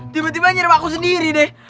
tiba tiba nyirem aku sendiri deh